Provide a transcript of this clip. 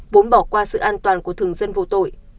vốn bỏ qua sự an toàn của thường dân vô tội